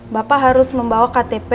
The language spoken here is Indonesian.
bapak harus membawa ktp